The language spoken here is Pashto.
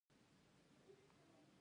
ایا زه باید په نس ویده شم؟